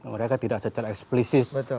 mereka tidak secara eksplisif